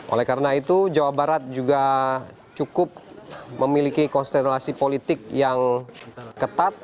oleh karena itu jawa barat juga cukup memiliki konstelasi politik yang ketat